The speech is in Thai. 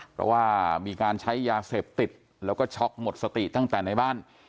เพราะว่ามีการใช้ยาเสพติดแล้วก็ช็อกหมดสติตั้งแต่ในบ้าน